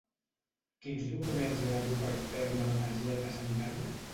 Quins documents he de dur per fer-me la targeta sanitària?